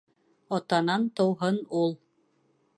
Атанан тыуһын ул